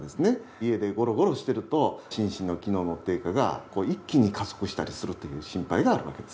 家でゴロゴロしていると心身の機能の低下が一気に加速したりするという心配があるわけです。